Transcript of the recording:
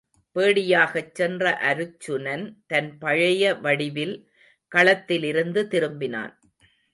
பேடியாகச் சென்ற அருச்சுனன் தன் பழைய வடிவில் களத்திலிருந்து திரும்பினான்.